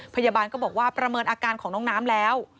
พยาบาลก็บอกว่าประเมินอาการของน้องน้ำแล้ว